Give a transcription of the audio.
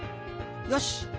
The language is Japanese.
よし。